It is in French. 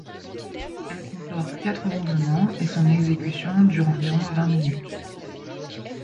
Elle comporte quatre mouvements et son exécution dure environ vingt minutes.